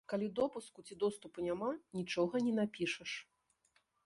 Калі допуску ці доступу няма, нічога не напішаш.